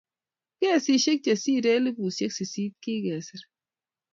kesishek chesire elfusiek sisit kigesir